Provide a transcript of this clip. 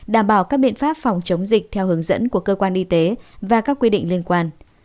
đảm bảo các biện pháp phòng chống dịch theo hướng dẫn của cơ quan y tế và các quy định liên quan